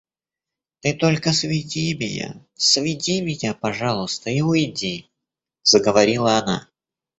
Ты только сведи меня, сведи меня, пожалуйста, и уйди, — заговорила она.